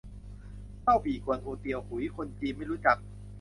เล่าปี่ กวนอู เตียวหุย คนจีนไม่รู้จัก